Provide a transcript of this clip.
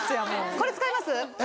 これ使います？